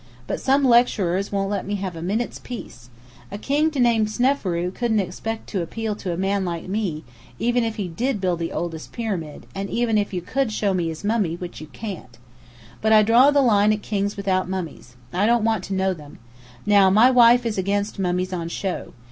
But some lecturers won't let me have a minute's peace. A king named Sneferu couldn't expect to appeal to a man like me, even if he did build the oldest Pyramid, and even if you could show me his mummy, which you can't. But I draw the line at kings without mummies. I don't want to know them. Now, my wife is against mummies on show.